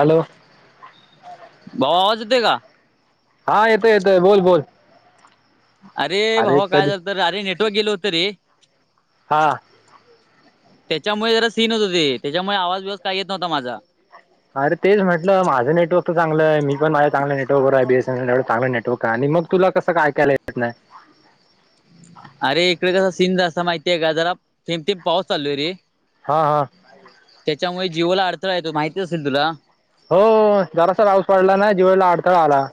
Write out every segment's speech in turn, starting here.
Hello.. भाऊजते का हा येतोय येतोय बोल बोल. अरे भाऊ काय झालं तर अरे नेटवर्क गेल होतं रे. हां. त्याच्यामुळे जरा सीन होत होती त्याच्यामुळे आवाज बवास काही येत नव्हता माझा. अर तेचट माझ नेटवर्क तर चांगलं मीण माझ्या चग नेटवर्कवर आहे बीएसएनल एवढ चांगलं नेटवर्क आणि मग. तुला कसं काय कयला येत नाही. अरे इकडे कसं सिंध असं माहितीय आहे का जराथम थम पाऊस चालो आहे रे. हां हां. त्याच्यामुळे जीवाला अडथळा य तो माहिती असेल तुला हो जरासा राऊस पडला ना जीवळला अडथळा आला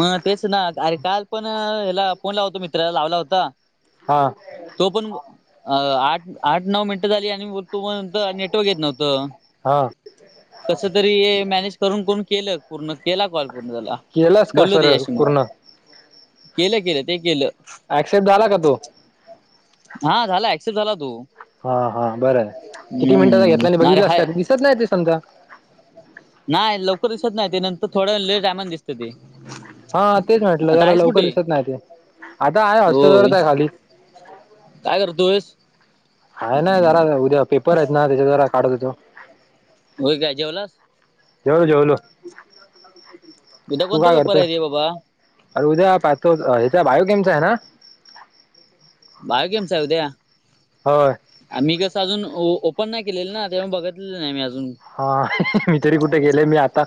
मग तेच ना अरे काल पण ह्याला फोन लाव होतो मित्राला लावला होता हा तो पण आठ आठ नऊ मिनिटं झाली आणि तो पण नेटवर्क येत नव्हतं हा कस तरी हे मॅनेज करून कोून केलं पूर्ण केला कॉल पूर्ण झाला केलास का बोलल ते सर याशी म पूर्ण केलं केलं ते केलं ऍक्सेप्ट झाला का तो हा झाला ऍक्सेप्ट झाला तो. हा हा बरं किती मिनटंचा घेतला आणि हम्म अरे बघितलास का हाय ति त नाही ते समजा नाही लवकर दिसत नाही ते नंतर थोडं लेट टायमा दिसत ते हा तेच म्हटलं आता जरा आहेस लवकर कुठे दिसत नाही ते आता आहे होय हॉस्टेलवरच आहे खाली काय कर दुयस. आहे ना जरा उद्या पेपर आहेत ना त्याच्याद्वारा काढत होेतो. हो काय जेवलास. तदा तू कोणता काय पेपर करतोय आहे र बाबा. अरे उद्या पाहतो ह्याचा बायोकेमचा आहे ना भाय केम स आहे उद्या हो मी कसं अजून ओपन नाही केलेलं ना तेव बघितलेलं नाही मी अजून हा मी तरी कुठे गेले मी आता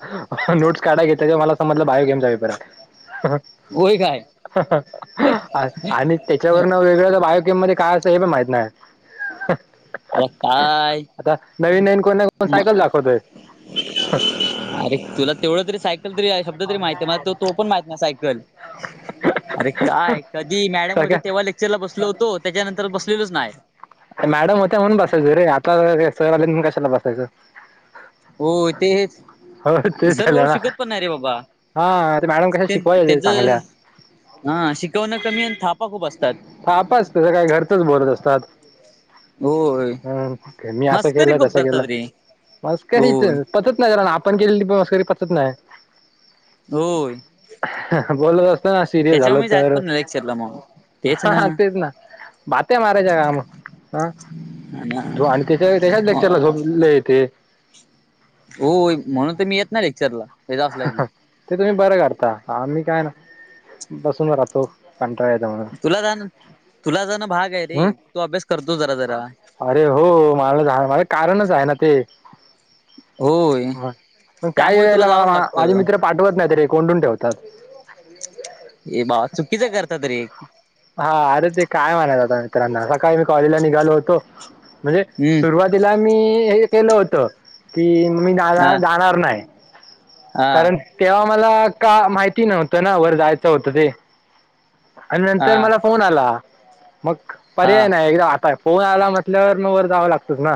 नोट्स काढा घेत मला समजलं बायोगेमचा वेपर आहे ह होय काय आणि त्याच्यावर न वेगळ्या बायोकेम मध्ये काय अस हे पण माहित नाही अ काय आता नवीन नवीन कोण कोण म सायकल दाखवतोय अरे तुला तेवढं तरी साय साय तरी शब्द तरी माहित आहे मला त तो पण माहती ना सायकल अरे काय कधी मॅडम होते सगळ्या तेव्हा लेक्चरला बसल होतो त्याच्यानंतर बसलेलच नाही मॅडम होत्या म्हणून बसायच रे आता स आलेणून कशाला बसायचं हो ते हेच हो तेच सर बरोबर झालं ना शिकत पण नाही रे बाबा हा ते मॅडम कशा शिकवायच्या त्यांचं चांगल्या हा शिकवणं कमी आणि थापा खूप असतात थाप असते काय घरचच बोलत असतात होय हम मी असं मस्करी केले खूप तसं केलं करतात रे मा का होय पचत नाही काररा ना आपण केलेलीकरी पचत नाही होय बोलत असत ना सिरियस झाल तर सरला म हा तेच ना बाते मारायच्या काम हं. आणि त्याच्या त्याच्याच लेक्चरला झोपले तेे. होय म्हणून तर मी येत नाही लेक्चरला त्याजा असला की. ते तुम्ही बरं करता, आम्ही काय ना बसून राहतो. कंटाळा येतो म्हणून तुला जाण, तुला जाण भाग आहे रे हम् तो अभ्यास करतो जरा जरा. अरे हो मला झा माझ कारणच आहे ना ते. होय पण काही त्यामुळे तुला वेळेला जावंच मला माझे लागतं मित्र पाठवत नाही ते कोंडून ठेवतात. ए भावा चुकीचं करता रे. हा अरे ते काय म्हणा आता मित्रांना सकाळी मी कॉलेजला निघालो होतो म्हणजे हम्म सुरुवात तिला मी हे केलं होत की मी जा हा जाणार नाही. हा कारण तेव्हा मला का माहिती नव्हतं ना वर जायचं होतं ते आणि नंतर हा मला. फोन आला, मग हा पर्याय नाही एकदा आताय फोन आला म्हटल्यावर मग वर जावं लागतच ना.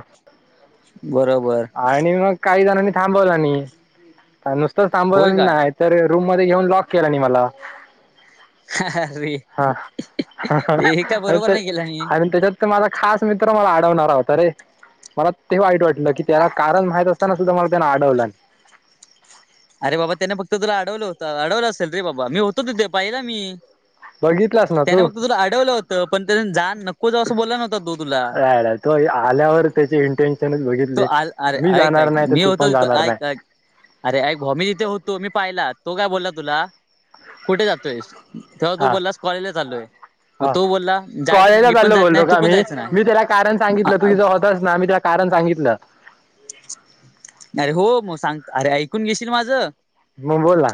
बरोबर. आणि मग काही जणांनी थांबवला नाही नुसतंच थांबवलं होय आणि काय नाहीत. तर रूम मध्ये घेऊन लॉक केला नाही मला. ह ह. हा हा हा, आणि नाही केलं मी आणि त्याच्यात. माझा खास मित्र मला आडवणार होता रे मला ते वाईट वाटलं की त्याला कारण माहित ताना सुद्धा मला त्याना आडवलं. अरे बाबा त्याने फक्त तुला आडवलं होतं आडवलं असेल रे बाबा मी होतो तितेे पाहिला मी. बघितलास ना त्याने तू फक्त तुला अडवलं होतं पण त्या जा नको जावं असं बोलला नव्हता तो तुला. त आल्यावर त्याचे इंटेन्शनच तो बघितले आल अरे मी ऐक जाणार ऐक नाही तर मी तू होतो पण तिथं जाणार नाही. ऐक ऐक अरे ऐक, भॉमी जिथे होतो मी पाहिला तो काय बोलला तुला कुठे जातो. तेव्हा तू हा बोललास कॉलेज चालोय हा कॉलेजात चालो नाही बोललो तू का पण मी, जायचं मी त्याला कारण सांगितलं तु नाही ज. ना आम्ही त्या कारण सांगितलं. अरे हो मग सांग अरे ऐकून घेशील माझं? म बोला.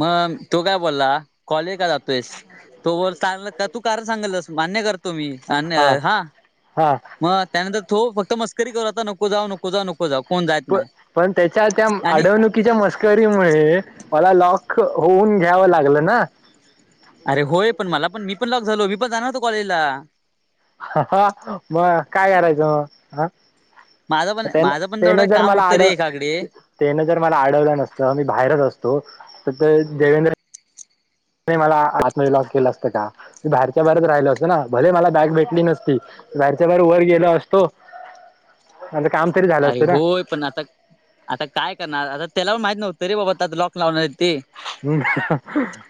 मग, तो काय बोलला कॉलेज का जातोस? तो बां का तू का सांगलस मान्य कर आण हा हा मग त्यानंतर तो फक्त मस्करी कर होता नको जाऊ नको जाऊ नको को जाऊ कोण प नाही पण त्याच्या त्या आणि अडवणुकीच्या मस्क करीमुळे मला लॉक होऊन घ्यावं लागलं ना. अरे होय पण मला पण मी पण लॉक झालो मी पण जाणव होतो कॉलेजला. हा हा मग काय करायचं मग हा. माझं पण त्यान माझं पण त्यान तेवढं जर काम मला होतं आड रे एकाकडे तेन जर मला आडवलं नसतं मी बाहेरच असतो तर देवेंद्र मला आत मध्ये लॉक केलं असतं का? बाहेरच्या बाहेरच राहिल असतं ना भले मला बॅग भेटली नसती बाहेरच्या बाहेर वर गेलो असतो. [inaudible] काम तरी झालं अरे असतं ना हो पण आता आता काय करणार आता त्याला पण माहित नव्हतं रे बाबा आ लॉक लावणार ते. हम्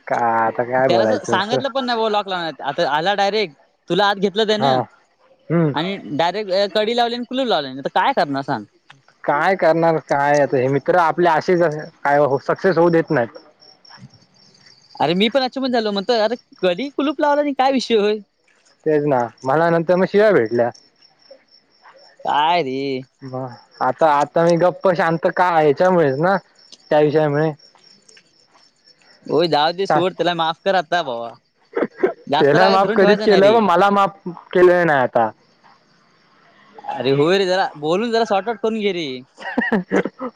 का आता काय त्याला बोलायचं असं. सांगितलं पण नाही लॉक लाव आता आला डायरेक्ट तुला आत घेतलंच हा ना हम्म आणि. डायरेक्ट कडी लावली आणि कुलूप लावले तर काय करणार सांग? काय करणार काय हे मित्र आपल्या आशेच काय सक्सेस होऊ देत नाहीय. अर मी पण अचिबन झालो म्हणत अरे कधी कुलप लावला आणि काय विषय होय. तेच ना मला नंतर मग शिव्या भेटल्या. काय रे. ब आता आता मी गप्प शांत का याच्यामुळेच ना त्या विषयामुळे. हो जााऊदसोट त्याला माफ कता भाबा. त्याला माफ करीत केलं मला माफ केलं नाही आता. अरे होय रे जला बोलून त्याला शॉर्टआउट करून घेरे.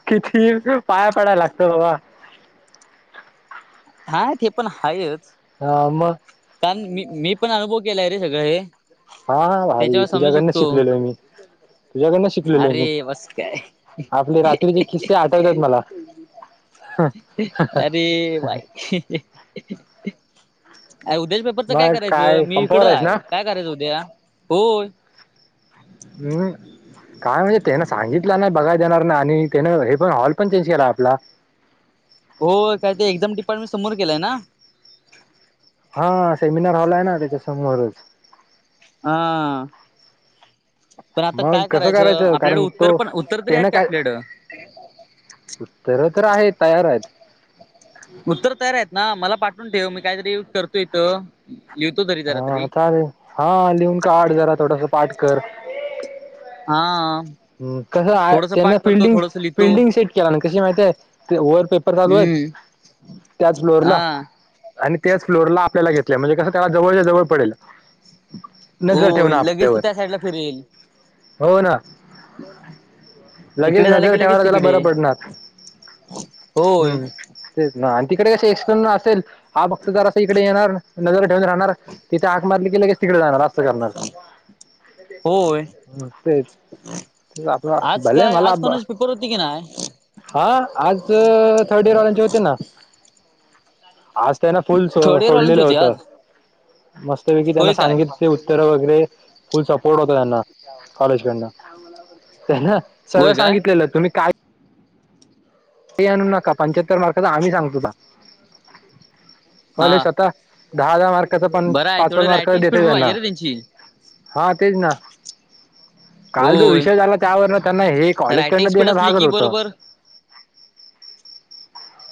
किती पाया पडाय लागतं बाबा. हा ते पण हायेच. हा मग. कारण मी मी पण अनुभव केलाय रे सगळं हे. हा भाई त्याच्यावर समजू तुझ्याकडनं शकतो शिकलेलो आहे मी. तुझ्याकडनं शिकलेल आहे मी अरे बस काय आपले रात्रीचे किस्से आटवतात मला. अरे बाई. अ उद्याच्या पेपरच काय मग करायचं मी पंपावर इकडं आहेस आहे काय करायचं उद्या होय. हम्. काय म्हणजे त्यान सांगितलं नाही बघाय जाणार नाही आणि त्यानं हे पण हॉल पण चेंज केला आपला. हो काय ते एक्झम डिपार्टमेंट समोर केलंय ना. हा सेमिनार हवलाय ना त्याच्यासमोरच. हा आ. मग कसं करायचं आपल्याकडे कारण उत्तर तो पण उत्तर तरी आहेत त्यान की काय. आपल्याकडं उतर तर आहे तयार आहेत. उत्तर तयार आहेत ना मला पाठवून ठेव मी काहीतरी युज करतो इथं. लिहितो तरी जरा तरी हा चालेल हा लिहून काढ जरा थोडासा पाठ कर. हा आ. ह् कसं त्यांना फिल्डिंग लिहितो फिल्डिंग सेट केला ना कशी माहितीय आहे. वर पेपर चालू आहेत हम्म त्याच फ्लोअर ला. हा आणि त्याच फ्लोरला आपल्याला घेतल्या म्हणजे कसं त्याला जवळच्या जवळ पडेल. हो नजर ठेवउन लगेच तू आपल्यावर त्या साईडला हो ना. हॅलो. लगेच नजर ठेवायला त्याला बरं पडणार होय हम्म. तेच ना आणि तिकडे कसे एक्स्टर्नल असेल हा फक्त जरासं इकडे येणार नजर ठेऊन राहणार. तिथ आक मारली लगेच तिकडे जाणार अस. असं करणार होय मग तेच आपलं. आज भले काय मला आज ब. कोणाची पेपर होती की नाय हा आज थटीन वाल्यांचे होते ना आज. त्यांना फुल सो थर्ड इयर वाल्यांची सोडलेलं होती होतं आज मस्त पैकी होय त्यांना काय सांगित ते उत्तर वगैरे. फुल सपोर्ट होत त्यांना कॉलेजड त्यां सरळ होय काय सांगितलेलं तुम्ही काय. ते आणू नका पंच्याहत्तर मार्काचा आम्ही सांगतो तुला हा कॉलेज स्वतः दहा हजहा मार्काचा पण बरं आहे पाच पाच तेवढं मार्का रायटिंग स्पीड देतच पण पाहिजे त्यांना रे त्यांची हा तेच ना. काल जो होय विषय झाला त्यावर त्यांना हे कॉलेज कडन रायटिंग स्पीड देणं असली भागत की होतं. बरोबर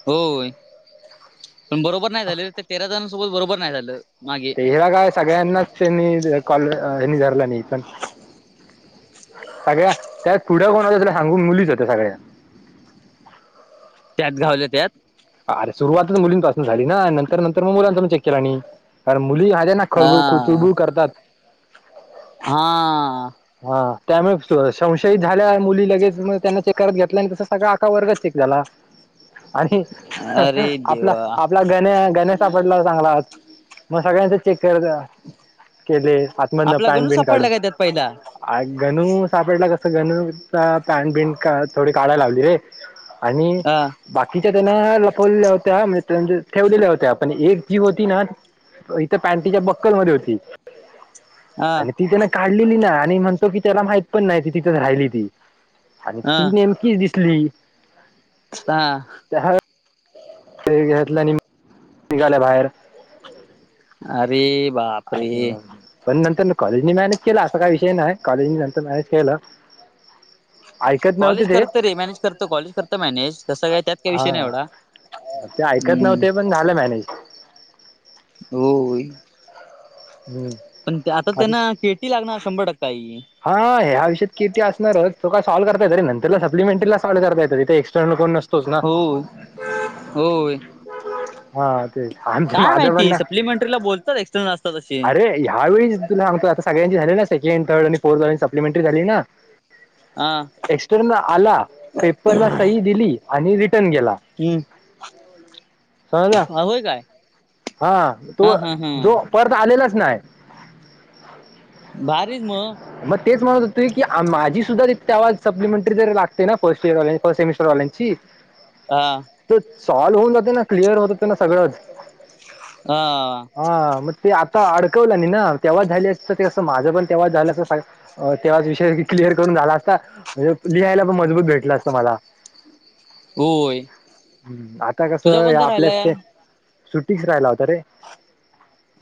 होय पण बरोबर नाही झाले त्या तेरा जणांसोबत बरोबर नाही झालं. मागे तेरा काय सगळ्यांनाच त्यांनी कॉल हेनीधरला नाही पण. सगळ्या त्यात पुढं कोण होत्या त्या सांगून मुलीच होत्या सगळ्या. त्यात गावल्या त्यात. अरे सुरुवातच मुलींपासून झाली ना नंतर नंतर मग मुलांचा म चेक केला आणि कारण मुली. ना खळबू हा खुचुबू करतात. हा आ. हा त्यामुळे स संशयित झाल्या मुली लगेच मग त्यांना चेक करत घेतला आणि तस सगळ आका वर्ग चेक झाला. आणि अरे आपला देवा आपला गण्या गण्या सापडला बंगलात मग सगळ्यांच चेक करता काय ते आातमधनं आपला पॅन्ट गणू बिंनं काढून सापडला काय त्यात पहिला आन गनू सापडला हा सगळ्यांना पॅन्ट बिंट थोडी काढाला लावली आणि अ बाकीच्या त्यांन लपवलेल्या होत्या म्हणजे तेनं ठेवलेल्या होत्या पण एक जी होती ना हो इथं पॅन्टीच्या बक्कलमध्ये होती. अ आणि ती कनय काढलेली नाय आणि म्हणतो की त्याला माहित पण नाय ती तिथंचं राहिली ती आणि अ ती नेमकी दिसली. हा त्याहं घेतल्या आणि निघाल्या बाहेर अरे अशी बापरे [unintelligible] पण नंतर नं कॉलेजनी मॅनेज केलं अस काय विषय नाय कॉलेज नी नंतर मॅनेज केलं. ऐकत नव्हते कॉलेज ते करत रे मॅनेज करत कॉलेज करत मॅनेज कस काय त्यात काय विषय नाय हा एवढा ते ऐकत नव्हते पण झालं मॅनेज हूं होई हम्म पण ते आता बाकी त्यांना किट ती लागणार शंभर टक्क ताई हा ह्या विषयात के टी असणारच तो काय सॉल्व करता येते नंतर सप्लिमेंटरीला सॉल्व करता येत ते एक्टर्नल कोण नस होय होय हा तेच आमच्या काय माझ पण माहिती ना सप्लिमेंटरीला बोलतात एक्सटर्नल असतात असे अरे ह्यावेेळीचं ती लावतो आता सगळ्यांची झाली ना सेकंड थर्ड आणि फोर्थ वाल्यांची सप्लिमेंटरी झाली ना हा एक्स तो नं आला आला पेपरला सही दिली आणि रिटर्न गेला. हम्म हो ना होय काय हा हा तो हा हा जो परत आलेलाच नाय. भारीच म मग तेच म्हणत होतो की आ माझी सुद्धा ती तवा सप्लिमेंटरी जरी लागते ना फस्ट इयर्स वाले फस्ट सेमस्टर वाल्यांची हा ते सॉल्व होऊन जात ना क्लिअर होत त्याला सगळंच हा हा म ते आता अडकवल्यानी ना तेव्हाचं झाली असत ते कसं माझं पण तेव्हा झालं अ तेव्हाच विषय की क्लिअर करून झाला असता. म्हणजे लिहायला पण मजबूत भेटला असता मला होय हम्म आता कस तुझा कोणता आपल्याच राहिलाय स हा सुट्टी फिराय लावता रे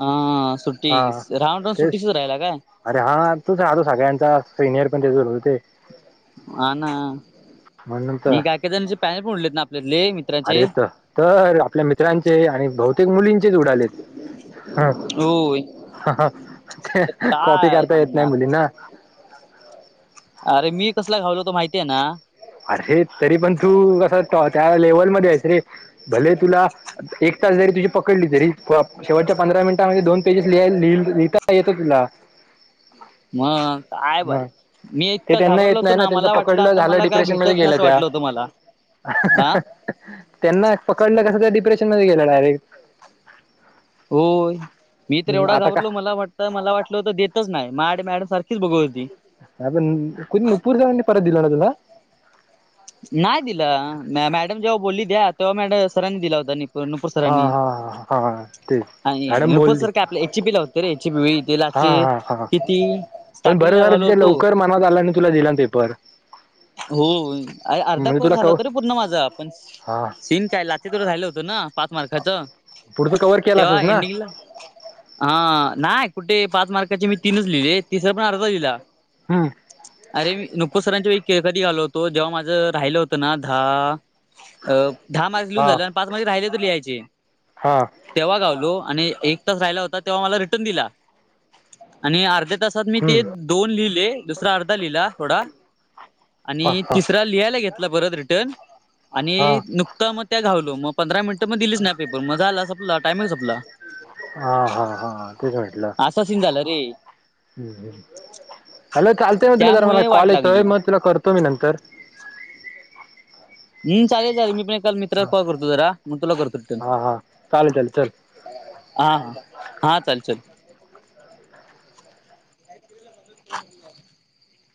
हा सुट्टी हा राहून राहून तेच सुट्टी सुध राहिला काय? अरे हा तूच राहतो सगळ्यांचा सिनियर पण तेच बोलतं होते. आ ना म्हणून तर मी काय काय जणांचे पॅनल फोडलेत ना आपल्यातले मित्राचे अरे त तर आपल्या मित्रांचे आणि बहुतेक मुलींचेच उडालेत. होय. ते कॉपी काय करता येत नाही सांगणार मुलींना अरे मी कसला घावलोत होतो माहितीये ना अरे हे तरी पण तू कस त त्या लेवल मध्ये आहेस रे भले तुला एक तास जरी तुझी पकडली तरी कॉ शेवटच्या पंधरा मिनिटामध्ये दोन पेजेस लिहा लि लिहिता येत तुला म काय भाई मग मी ते इतका त्यांना घाबरलो येत होतो नाही ना त्यांचं मला वाटलं पकडलं आता झालं मला काय डिप्रेशन मध्ये भेटत नाय गेलं असं त्या वाटलं होतं मला हा [unintelligible] त्यांना पकडलं कसं त्या डिप्रेशन मध्ये गेल्या डायरेक्ट होय मी तर एवढा आता का घाबरलो मला वाट त मला वाटलं होत देतच नाय मायाकडं मॅडम सारखीच बघत होती. पण कु नपूर जाऊ परत दिल ना तुला. नाही दिलं मॅडम जेव्हा बोलली द्या तेव्हा मॅड सरांनी दिला होता नि नुपूर सर हा आणि हा हा हा तेच मॅडम नुपूर बोलली सर काय आपल्या एचपी ला होते रे एचपी व हा दिलाचे हा हा किती? पण बरं स्टार्टिंगला झारं घालो तिच्या होतो लवकर मनावत आला आणि तुला दिला पेपर हो अ अर्धा म्हणजे खोर तुला झाला कव होत रे पूर्ण माझा आपण हा सीन काय लाच तों झालं होतं ना पाच मार्खाचं त कव्ह केला अस ना. बलं. हा नाही कुठे पाच मार्काचे मी तीनच लिहिले तिसरा पण अर्धा लिहिला. हम्म. अरे मी नुपुर सरांच्या वळी कधी घालो होतो जेव्हा माझं राहिलं होतं ना दहा- अ दहा मार्क्स लिहून हा झाले आणि पाच मार् राहिले त लिहायचे. हा तेव्हा गावलो आणि एक तास राहिला होता तेव्हा मला रिटर्न दिला आणि अर्ध्या तास. मी ते हम्म दोन लिहिले दुसरा अर्धा लिहिला थोडा आणि हा त हा लिहायला घेत परत रिटर्न हा आणि नुकत मग त्या घावलो मग.. पंधरा मिनिटं मग दिलीच नाही पेपर मजा आला संपला टायमिंग संपला. हा हां हां तेच वाटलं. असंचि झालं रे. हॅलो चालतय मग तुला जरा मला त्यामुळे कॉल वाट येतोय लागली. मग तुला करतो मी नंतर. हम् चालेल चालेल मी पण एकाल मित्राला कॉल करतो जरा मग तुला करतो रिटन. हा हा चालेल चालेल चल हा ह हा चालचल [unintelligible]